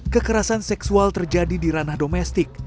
kekerasan seksual terjadi di ranah domestik